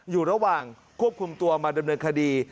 อยู่ระหว่างควบคุมตัวมาดำเนินคดี